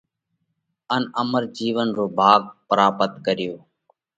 ان امر جِيونَ رو ڀاڳ پراپت ڪريو۔